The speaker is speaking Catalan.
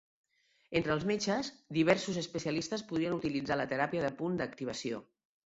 Entre els metges, diversos especialistes podrien utilitzar la teràpia de punt d'activació.